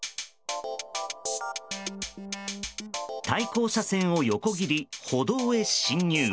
対向車線を横切り、歩道へ進入。